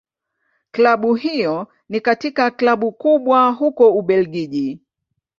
Klabu hiyo ni katika Klabu kubwa huko Ubelgiji.